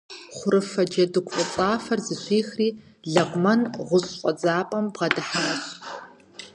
Хъурыфэ джэдыгу фӀыцӀэр зыщихри Лэкъумэн гъущӀ фӀэдзапӀэм бгъэдыхьащ.